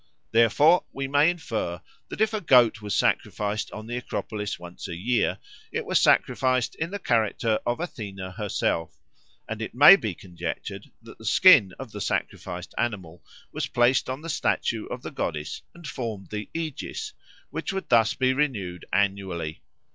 Therefore we may infer that if a goat was sacrificed on the Acropolis once a year, it was sacrificed in the character of Athena herself; and it may be conjectured that the skin of the sacrificed animal was placed on the statue of the goddess and formed the aegis, which would thus be renewed annually.